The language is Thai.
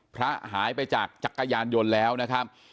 หายไปจากจักรยานยนต์แล้วนะครับ